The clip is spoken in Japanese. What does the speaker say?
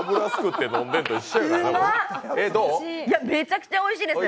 うまっ、めちゃくちゃおいしいです。